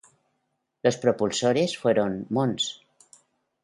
Sus propulsores fueron Mons.